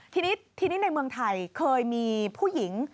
ทีนี้ทีนี้ในเมืองไทยเคยมีผู้หญิง